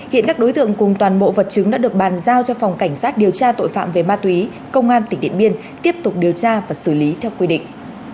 hiện các đối tượng cùng toàn bộ vật chứng đã được bàn giao cho phòng cảnh sát điều tra tội phạm về ma túy công an tỉnh điện biên tiếp tục điều tra và xử lý theo quy định